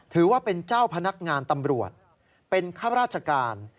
ถือว่าเป็นเจ้าพนักงานตำรวจเป็นข้าราชการ